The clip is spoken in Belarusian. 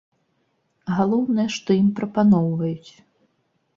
Галоўнае, што ім прапаноўваюць.